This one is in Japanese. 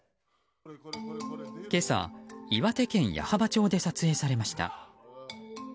今朝、岩手県矢巾町で発見されました。